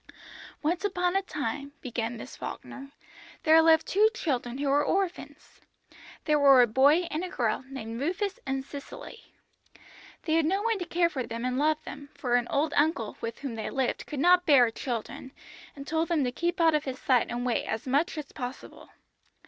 "Once upon a time," began Miss Falkner, "there lived two children who were orphans. They were a boy and a girl named Rufus and Cicely. They had no one to care for them and love them, for an old uncle with whom they lived could not bear children, and told them to keep out of his sight and way as much as possible.